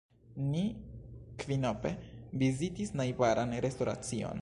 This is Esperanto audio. Ni kvinope vizitis najbaran restoracion.